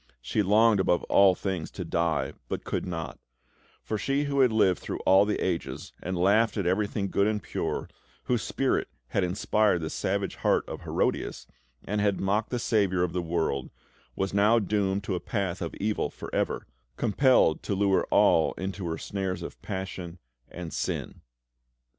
She longed above all things to die, but could not; for she who had lived through all the ages, and laughed at everything good and pure, whose spirit had inspired the savage heart of Herodias, and had mocked the Saviour of the world, was now doomed to a path of evil for ever, compelled to lure all into her snares of passion and sin.